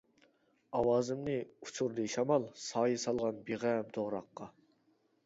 ئاۋازىمنى ئۇچۇردى شامال، سايە سالغان بىغەم توغراققا.